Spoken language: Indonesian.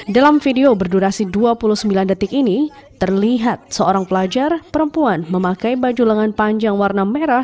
dalam video berdurasi dua puluh sembilan detik ini terlihat seorang pelajar perempuan memakai baju lengan panjang warna merah